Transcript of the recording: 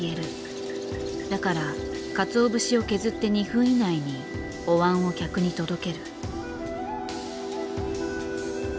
だからかつお節を削って２分以内にお椀を客に届ける。